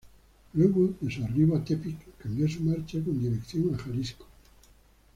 Luego de su arribo a Tepic, cambió su marcha con dirección a Jalisco.